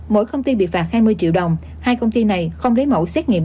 mỗi công ty bị phạt hai mươi triệu đồng hai công ty này không lấy mẫu xét nghiệm